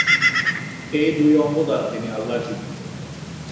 এ দুই অংগ দ্বারা তিনি আল্লাহর যিকির করতেন।